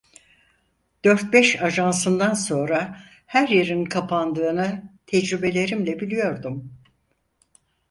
Dört beş ajansından sonra her yerin kapandığını tecrübelerimle biliyordum.